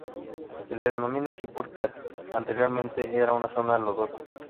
Se le denomina así por que anteriormente era una zona lodosa.